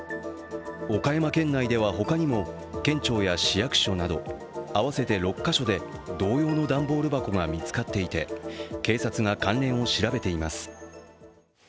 岡山県内では他にも県庁や市役所など合わせて６か所で同様の段ボール箱が見つかっていて警察が関連を調べています。